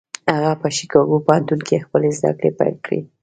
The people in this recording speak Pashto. هغه په شيکاګو پوهنتون کې خپلې زدهکړې پيل کړې.